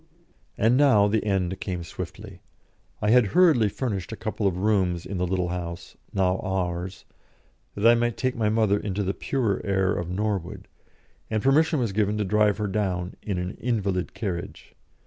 And now the end came swiftly. I had hurriedly furnished a couple of rooms in the little house, now ours, that I might take my mother into the purer air of Norwood, and permission was given to drive her down in an invalid carriage.